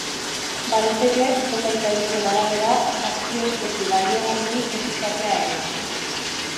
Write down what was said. Baliteke, zenbait adituen arabera, azpiespezie baliogarririk ez izatea ere.